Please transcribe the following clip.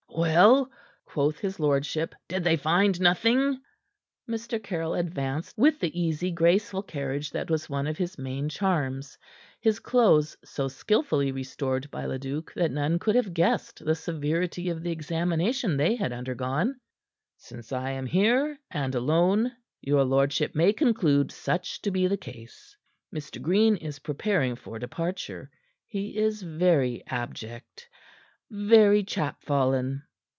"Well?" quoth his lordship. "Did they find nothing?" Mr. Caryll advanced with the easy, graceful carriage that was one of his main charms, his clothes so skilfully restored by Leduc that none could have guessed the severity of the examination they had undergone. "Since I am here, and alone, your lordship may conclude such to be the case. Mr. Green is preparing for departure. He is very abject; very chap fallen.